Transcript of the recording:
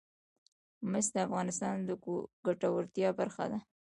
مس د افغانانو د ګټورتیا برخه ده.